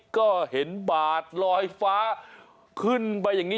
ก็เห็นบาดลอยฟ้าขึ้นไปอย่างนี้